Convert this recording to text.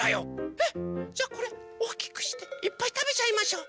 えっ⁉じゃあこれおおきくしていっぱいたべちゃいましょう。